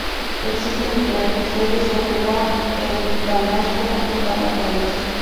Existen diferentes leyes sobre la eutanasia en cada país.